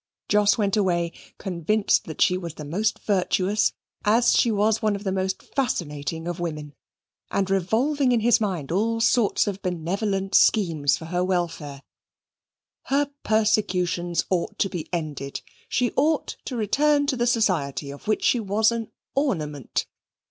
Jos went away, convinced that she was the most virtuous, as she was one of the most fascinating of women, and revolving in his mind all sorts of benevolent schemes for her welfare. Her persecutions ought to be ended: she ought to return to the society of which she was an ornament.